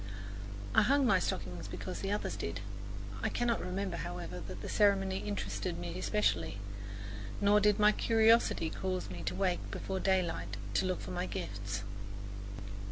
I hung my stocking because the others did; I cannot remember, however, that the ceremony interested me especially, nor did my curiosity cause me to wake before daylight to look for my gifts.